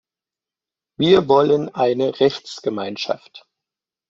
Wir wollen eine Rechtsgemeinschaft.